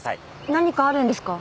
何かあるんですか？